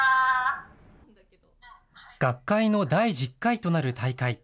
学会の第１０回となる大会。